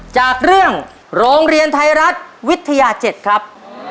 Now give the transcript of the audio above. จากเรื่องโรงเรียนไทยรัฐวิทยา๗ครับ